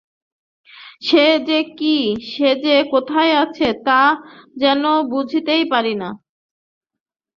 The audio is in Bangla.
সে যে কী, সে যে কোথায় আছে, তাহা যেন বুঝিতেই পারিল না।